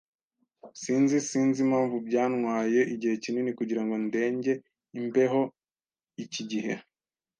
Sinzi Sinzi impamvu byantwaye igihe kinini kugirango ndenge imbeho iki gihe.